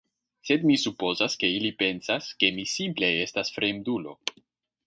Sed mi supozas, ke ili pensas ke mi simple estas fremdulo.